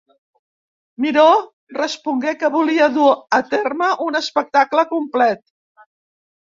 Miró respongué que volia dur a terme un espectacle complet.